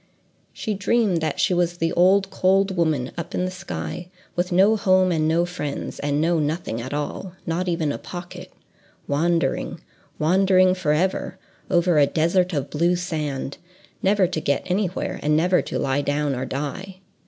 She dreamed that she was the old cold woman up in the sky, with no home and no friends, and no nothing at all, not even a pocket; wandering, wandering forever, over a desert of blue sand, never to get to anywhere, and never to lie down or die.